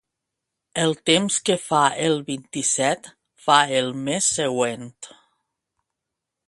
El temps que fa el vint-i-set, fa el mes següent.